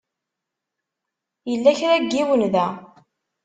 Yella kra n yiwen da.